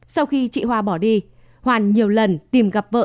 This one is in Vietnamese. sau khi chị hoa bỏ đi hoàn nhiều lần tìm gặp vợ